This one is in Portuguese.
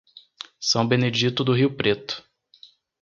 São Benedito do Rio Preto